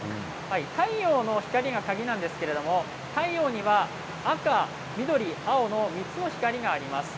太陽の光が鍵なんですけれども太陽には赤青緑３つの光があります。